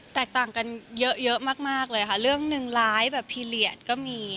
แตกต่างกันเยอะเยอะมากมากเลยค่ะเรื่องหนึ่งร้ายแบบพีเรียสก็มี